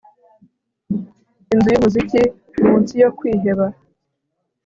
inzu yumuziki munsi yo kwiheba